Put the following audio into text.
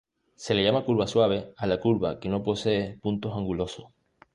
Se le llama curva suave a la curva que no posee puntos angulosos.